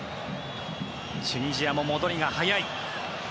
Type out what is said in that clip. チュニジアも戻りが早い。